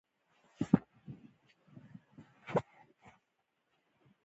تړون په تصحیح کولو کې برخه واخلي.